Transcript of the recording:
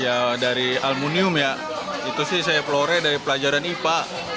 ya dari aluminium ya itu sih saya pelore dari pelajaran ipa